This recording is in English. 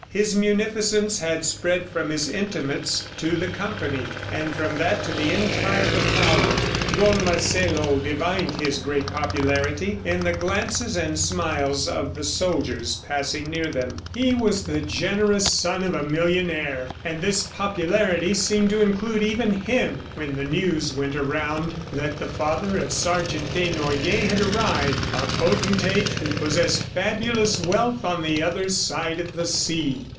His munificence had spread from his intimates to the company, and from that to the entire battalion. Don Marcelo divined his great popularity in the glances and smiles of the soldiers passing near them. He was the generous son of a millionaire, and this popularity seemed to include even him when the news went around that the father of Sergeant Desnoyers had arrived a potentate who possessed fabulous wealth on the other side of the sea.